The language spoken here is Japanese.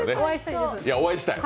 お会いしたい。